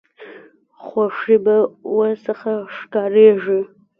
خوښي به ورڅخه ښکاریږي.